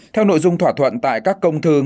theo nội dung thỏa thuận tại các công thương